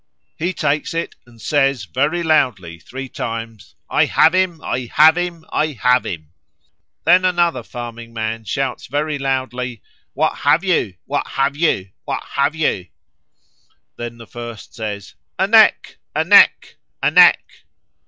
He takes it, and says, very loudly three times, 'I have him, I have him, I have him.' Then another farming man shouts very loudly, 'What have ye? what have ye? what have ye?' Then the first says, 'A neck, a neck, a neck.'